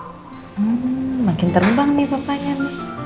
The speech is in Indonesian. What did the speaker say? hmm makin terbang nih papanya nih